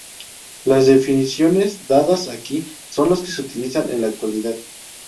Las definiciones dadas aquí son las que se utilizan en la actualidad.